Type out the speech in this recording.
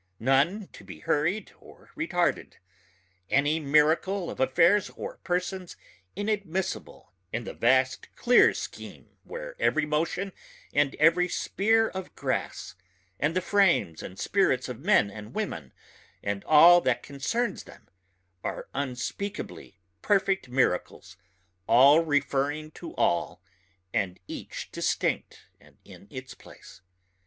none to be hurried or retarded ... any miracle of affairs or persons inadmissible in the vast clear scheme where every motion and every spear of grass and the frames and spirits of men and women and all that concerns them are unspeakably perfect miracles all referring to all and each distinct and in its place.